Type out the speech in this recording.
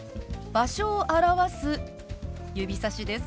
場所を表す指さしです。